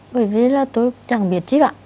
bởi vì là tôi chẳng biết chứ ạ